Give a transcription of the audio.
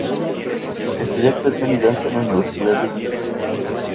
Estudió actuación y danza en la Universidad de Utah.